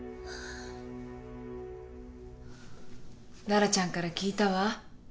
羅羅ちゃんから聞いたわ。